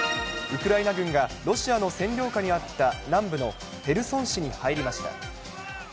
ウクライナ軍がロシアの占領下にあった南部のヘルソン市に入りました。